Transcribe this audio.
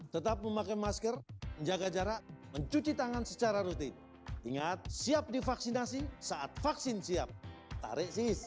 tetap memakai masker menjaga jarak mencuci tangan secara rutin ingat siap divaksinasi saat vaksin siap tarik sis